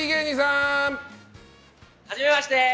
はじめまして！